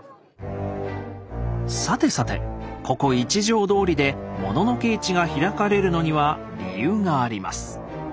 さてさてここ一条通でモノノケ市が開かれるのには理由があります。